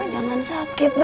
ma jangan sakit dong ma